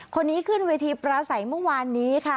คนนี้ขึ้นเวทีประสัยเมื่อวานนี้ค่ะ